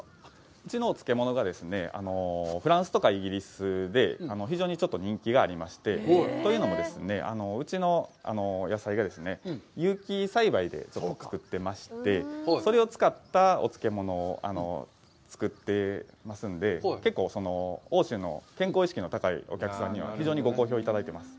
うちのお漬物がですね、フランスとかイギリスで非常に人気がありまして、というのも、うちの野菜がですね、有機栽培で作ってまして、それを使ったお漬物を作ってますんで、結構欧州の健康意識の高いお客さんには非常にご好評いただいてます。